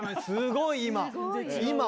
すごい今。